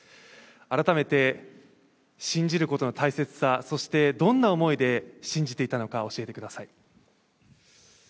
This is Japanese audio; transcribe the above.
改めて信じることの大切さそして、どんな思いで信じていたのか、教えてください。